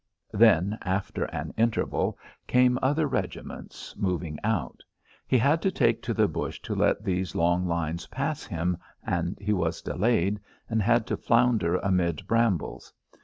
Then, after an interval, came other regiments, moving out. He had to take to the bush to let these long lines pass him, and he was delayed, and had to flounder amid brambles.